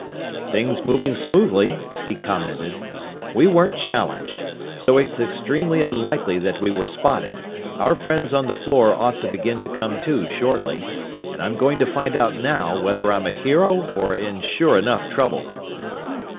"Things moving smoothly," he commented. "We weren't challenged. So it's extremely unlikely that we were spotted. Our friends on the floor ought to begin to come to shortly. And I'm going to find out now whether I'm a hero or in sure enough trouble!"